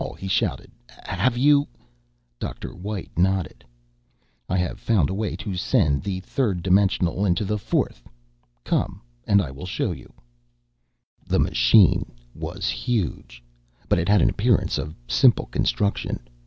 he shouted. "Have you...?" Dr. White nodded. "I have found a way to send the third dimensional into the fourth. Come and I will show you." The machine was huge, but it had an appearance of simple construction.